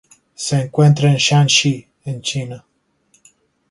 Se encuentra en Shaanxi en China.